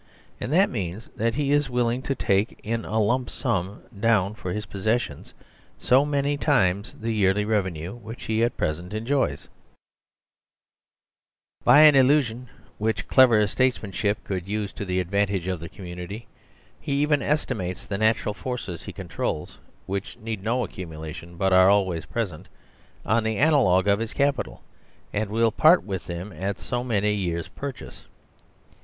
"* And that means that he is willing to take in a lump sum down for his possessions so many times the year ly revenue which he at present enjoys. If his E.D.A. is * By an illusion which clever statesmanship could use to the advan tage of the community, he even estimates the natural forces he con trols (which need no accumulation, but are always present) on the analogy of his capital, and will part with them at " so many years' purchase."